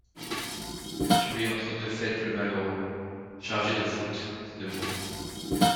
Tuez entre deux fêtes Le malheureux, chargé de fautes et de maux.